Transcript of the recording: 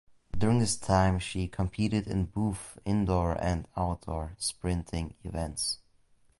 During this time she competed in both indoor and outdoor sprinting events.